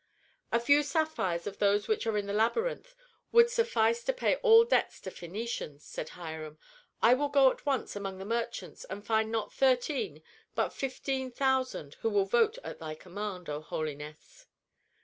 "A few sapphires of those which are in the labyrinth would suffice to pay all debts to Phœnicians," said Hiram. "I will go at once among the merchants and find not thirteen but thirteen thousand who will vote at thy command, O holiness."